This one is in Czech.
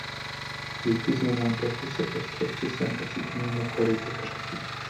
Díky změnám toku se ostrov časem ocitl mimo koryto řeky.